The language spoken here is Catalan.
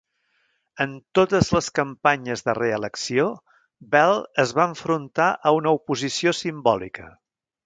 En totes les campanyes de reelecció, Bell es va enfrontar a una oposició simbòlica.